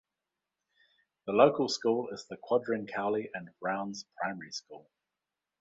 The local school is the Quadring Cowley and Brown's primary school.